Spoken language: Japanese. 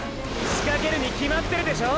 しかけるに決まってるでしょ！！